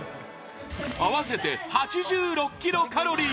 合わせて８６キロカロリー！